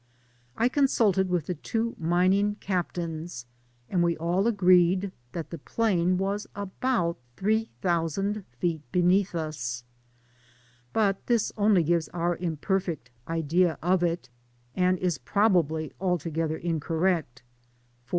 Z consulted with the two mining Captains, and we all agreed that the plain was about three thousand feet beneath us ; but this only gives our imperfect idea of it, and is probably altogether incorrect; foi?